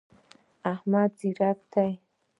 احمد ځیرک دی.